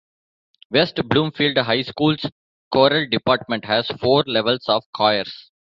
West Bloomfield High School's choral department has four levels of choirs.